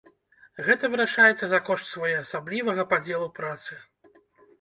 Гэта вырашаецца за кошт своеасаблівага падзелу працы.